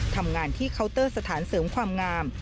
ทำงานที่เคาน์เตอร์สถานเสริมความงาม